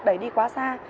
đẩy đi quá xa